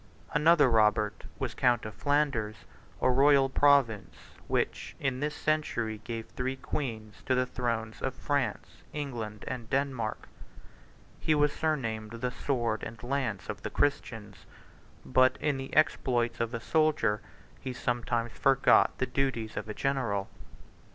Another Robert was count of Flanders, a royal province, which, in this century, gave three queens to the thrones of France, England, and Denmark: he was surnamed the Sword and Lance of the Christians; but in the exploits of a soldier he sometimes forgot the duties of a general.